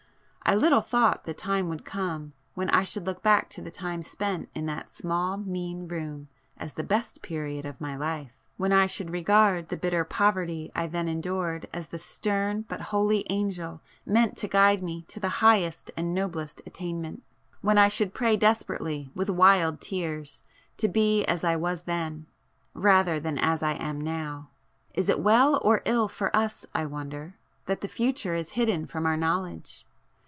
I little thought the time would come when I should look back to the time spent in that small mean room as the best period of my life,—when I should regard the bitter poverty I then endured, as the stern but holy angel meant to guide me to the highest and noblest attainment,—when I should pray desperately with wild tears to be as I was then, rather than as I am now! Is it well or ill for us I wonder, that the future is hidden from our knowledge?